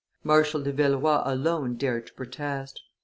Marshal de Villeroi alone dared to protest.